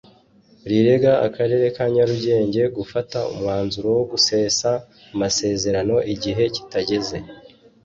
rirega akarere ka Nyarugenge gufata umwanzuro wo gusesa amasezerano igihe kitageze